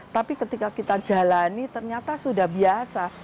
tapi ketika kita jalani ternyata sudah biasa